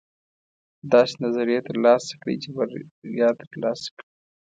داسې نظریې ترلاسه کړئ چې بریا ترلاسه کړئ.